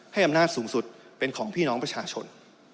อำนาจสูงสุดเป็นของพี่น้องประชาชน